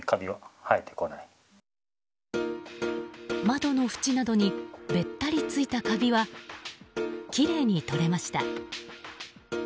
窓の縁などにべったり付いたカビはきれいに取れました。